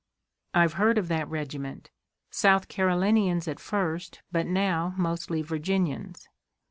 "I've heard of that regiment. South Carolinians at first, but now mostly Virginians."